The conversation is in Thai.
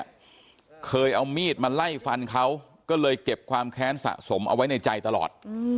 เคยเอามีดมาไล่ฟันเขาก็เลยเก็บความแค้นสะสมเอาไว้ในใจตลอด